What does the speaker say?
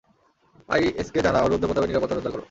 আইএসকে জানাও, রুদ্র প্রতাপের নিরাপত্তা জোরদার করো।